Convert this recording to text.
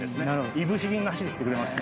いぶし銀な走りしてくれます。